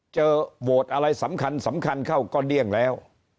เจอโหวตอะไรสำคัญเข้าก็เดี้ยงแล้ว